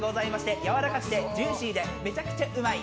やわらかくてジューシーでめちゃくちゃうまい！